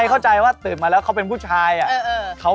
เข้าใจว่าตื่นมาแล้วเขาเป็นผู้ชาย